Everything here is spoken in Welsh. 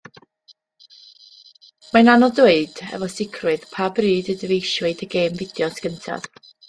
Mae'n anodd dweud, efo sicrwydd, pa bryd y dyfeisiwyd y gêm fideo gyntaf.